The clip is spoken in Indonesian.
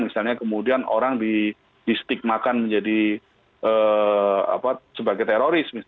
misalnya kemudian orang di stigmakan sebagai teroris